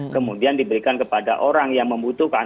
kemudian diberikan kepada orang yang membutuhkan